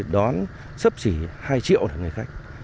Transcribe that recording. đón sấp chỉ hai triệu người khách